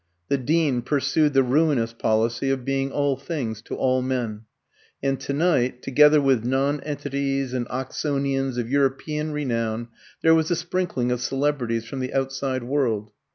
The Dean pursued the ruinous policy of being all things to all men; and to night, together with nonentities and Oxonians of European renown, there was a sprinkling of celebrities from the outside world.